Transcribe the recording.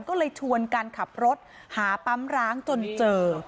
ก็เลยชวนกันขับรถหาปั๊มร้างจนเจอ